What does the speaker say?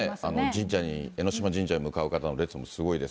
神社に、えのしま神社に向かう人の列もすごいです。